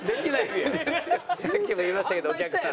さっきも言ましたけどお客さん。